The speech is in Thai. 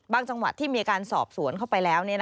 จังหวะที่มีการสอบสวนเข้าไปแล้ว